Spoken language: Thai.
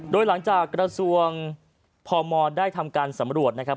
โดยหลังจากกระทรวงพมได้ทำการสำรวจนะครับ